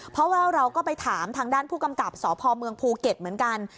เพราะว่าเราก็ไปถามทางด้านผู้กำกับสพเมืองภูเก็ตเหมือนกัน